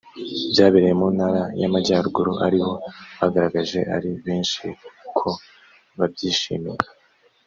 byabereye mu ntara y amajyaruguru aribo bagaragaje ari benshi ko babyishimiye